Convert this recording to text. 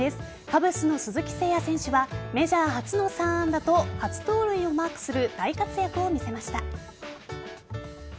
カブスの鈴木誠也選手がメジャー初の３安打と初盗塁をマークする大活躍を見せました。